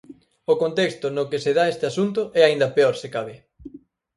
O contexto no que se dá este asunto é aínda peor, se cabe.